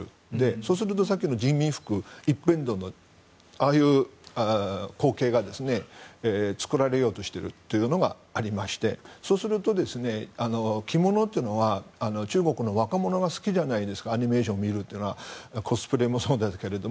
そうするとさっきの人民服一辺倒のああいう光景が作られようとしているというのがありましてそうすると、着物というのは中国の若者が好きじゃないですかアニメーションを見るというのはコスプレもそうだけど。